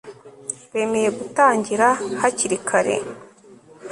bemeye gutangira hakiri kare